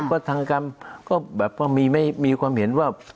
ก็ทางการมีความเห็นว่า